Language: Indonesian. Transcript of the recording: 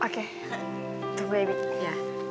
oke tunggu ya bibi